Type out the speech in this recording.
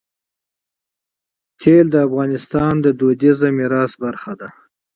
نفت د افغانستان د کلتوري میراث برخه ده.